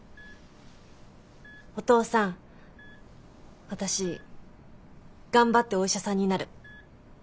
お父さん私頑張ってお医者さんになる。